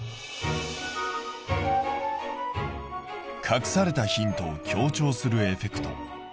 隠されたヒントを強調するエフェクト。